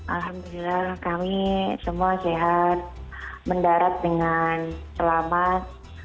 alhamdulillah kami semua sehat mendarat dengan selamat